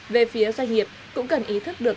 về phía doanh nghiệp cũng cần ý thức được